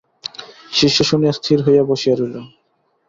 শিষ্য শুনিয়া স্থির হইয়া বসিয়া রহিল।